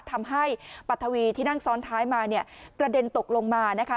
ทำให้ปัทวีที่นั่งซ้อนท้ายมาเนี่ยกระเด็นตกลงมานะคะ